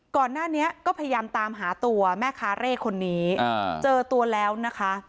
ก่อนหน้านี้ก็พยายามตามหาตัวแม่ค้าเร่คนนี้เจอตัวแล้วนะคะ